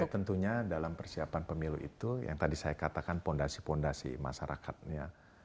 ya tentunya dalam persiapan pemilu itu yang tadi saya katakan fondasi fondasi masyarakatnya